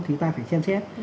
thì ta phải xem xét